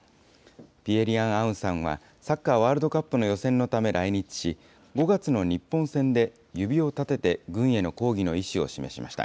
ピエ・リアン・アウンさんは、サッカーワールドカップの予選のため来日し、５月の日本戦で指を立てて軍への抗議の意思を示しました。